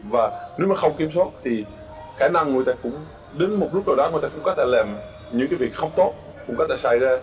và nếu mà không kiểm soát thì khả năng người ta cũng đứng một lúc nào đó người ta cũng có thể làm những cái việc không tốt cũng có thể xảy ra